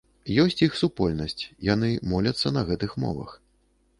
Ёсць іх супольнасць, яны моляцца на гэтых мовах.